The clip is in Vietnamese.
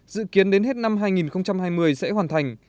dự kiến đến hết năm hai nghìn hai mươi sẽ hoàn thành